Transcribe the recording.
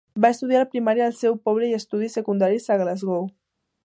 Va estudiar primària al seu poble i estudis secundaris a Glasgow.